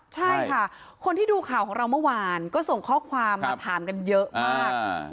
ใช่ค่ะคนที่ดูข่าวของเราเมื่อวานก็ส่งข้อความมาถามกันเยอะมาก